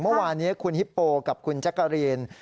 เมื่อวานนี้คุณฮิปโปกับคุณแจ๊กกะรีน